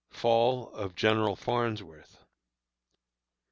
FALL OF GENERAL FARNSWORTH.